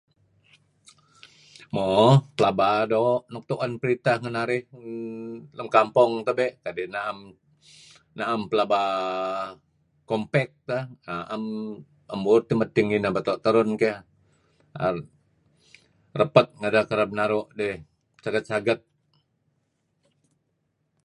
Mo pelaba doo' nuk tuen printeh ngen narih uhm lem kampong tabe' kadi naem pelaba compact teh naem tebuut teh madting ngineh beto' terun keyh uhm rapet ngedeh kereb naru' dih saget-saget.